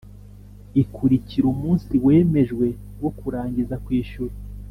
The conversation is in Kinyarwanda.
ikurikira umunsi wemejwe wo kurangiza kwishyura